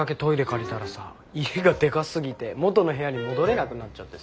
借りたらさ家がでかすぎて元の部屋に戻れなくなっちゃってさ。